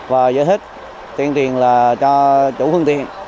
và giới thiết tiền tiền cho chủ phương tiện